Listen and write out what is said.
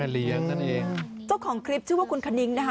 แม่เลี้ยงเจ้าของคลิปชื่อว่าคุณคนนิ้งนะฮะ